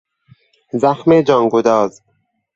زخم جانگداز